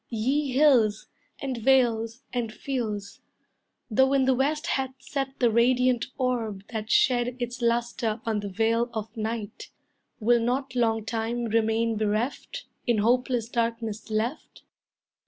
Ye hills, and vales, and fields, Though in the west hath set the radiant orb That shed its lustre on the veil of night, Will not long time remain bereft, In hopeless darkness left?